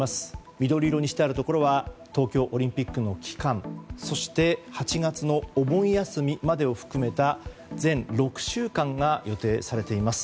緑色にしているところは東京オリンピックの期間そして８月のお盆休みまでを含めた全６週間が予定されています。